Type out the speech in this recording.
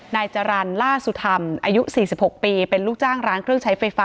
นายจรรย์ล่าสุธรรมอายุ๔๖ปีเป็นลูกจ้างร้านเครื่องใช้ไฟฟ้า